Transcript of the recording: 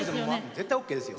絶対ＯＫですよ。